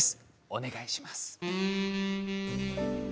お願いします。